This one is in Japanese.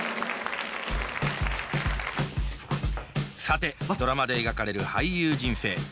さてドラマで描かれる俳優人生。